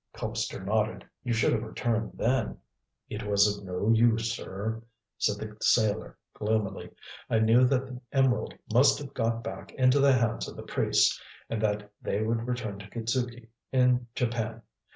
Colpster nodded. "You should have returned then." "It was of no use, sir," said the sailor gloomily. "I knew that the emerald must have got back into the hands of the priests, and that they would return to Kitzuki, in Japan.